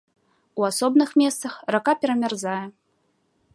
У асобных месцах рака перамярзае.